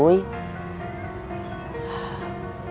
sebaiknya kambos teh ikutin saran cuy